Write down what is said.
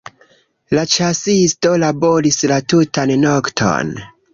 La ĉasisto laboris la tutan nokton.